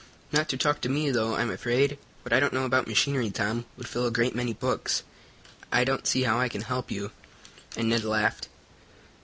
"Not to talk to me, though, I'm afraid. What I don't know about machinery, Tom, would fill a great many books. I don't see how I can help you," and Ned laughed.